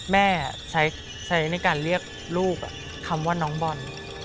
แม่ใช้ในการเรียกลูกคำว่าน้องบอล